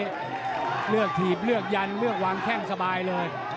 เลือกถีบเลือกยันเลือกวางแข้งสบายเลย